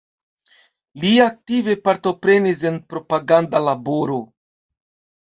Li aktive partoprenis en propaganda laboro.